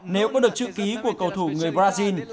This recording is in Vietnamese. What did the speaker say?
nếu có được chữ ký của cầu thủ người brazil